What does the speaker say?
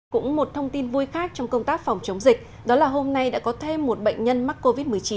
cũng một thông tin vui khác trong công tác phòng chống dịch đó là hôm nay đã có thêm một bệnh nhân mắc covid một mươi chín